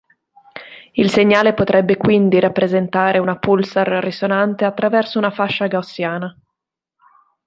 Il segnale potrebbe quindi rappresentare una pulsar risonante attraverso una fascia gaussiana.